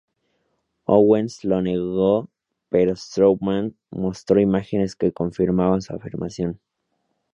Owens lo negó, pero Strowman mostró imágenes que confirmaban su afirmación.